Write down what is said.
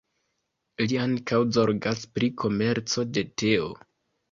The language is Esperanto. Li ankaŭ zorgas pri komerco de teo.